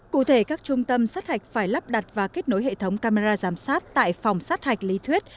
cụ thể các trung tâm sát hạch phải lắp đặt và kết nối hệ thống camera giám sát tại phòng sát hạch lý thuyết